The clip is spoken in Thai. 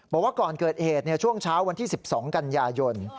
บอกว่าก่อนเกิดเหตุช่วงเช้าวันที่๑๒กันยายน